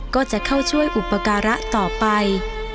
ก็จะเข้าช่วยอุปการะต่อไป